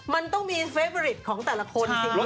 มันต้องมีเฟฟอริทของแต่ละคนสินแยก